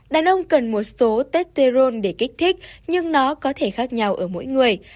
đàn ông cần một số testerol để kích thích nhưng nó có thể khác nhau ở mỗi người